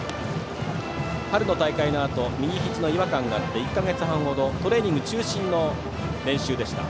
春の大会のあと右ひじの違和感があって１か月半ほどトレーニング中心の練習でした。